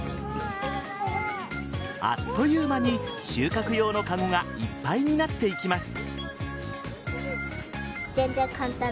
あっという間に収穫用のかごがいっぱいになっていきます。